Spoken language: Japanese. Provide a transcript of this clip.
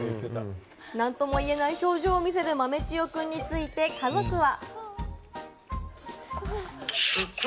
何とも言えない表情を見せる豆千代くんについて、家族は。